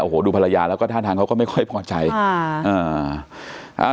โอ้โหดูภรรยาแล้วก็ท่าทางเขาก็ไม่ค่อยพอใจค่ะอ่า